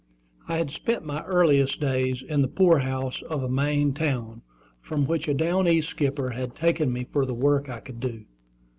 I had spent my earliest days in the poor house of a Maine town, from which a down east skipper had taken me for the work I could do.